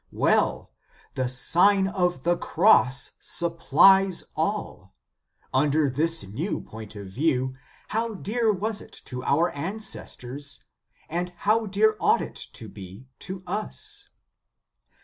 Well! the Sign of the Cross supplies all. Under this new point of view, how dear was it to our ances tors, and how dear ought it to be to us